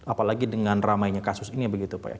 apalagi dengan ramainya kasus ini begitu pak ya